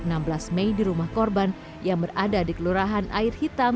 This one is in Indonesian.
pada enam belas mei di rumah korban yang berada di kelurahan air hitam